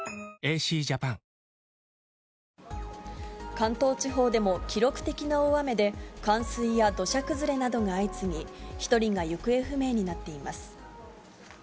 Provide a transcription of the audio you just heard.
関東地方でも記録的な大雨で冠水や土砂崩れなどが相次ぎ、１人が行方不明になっています。